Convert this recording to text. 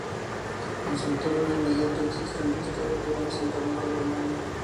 En su entorno inmediato existen restos de un asentamiento romano.